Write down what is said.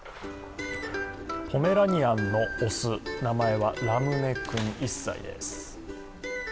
ポメラニアンの雄、名前はラムネ君１歳です。